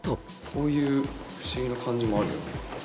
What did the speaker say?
こういう不思議な感じもありだよね。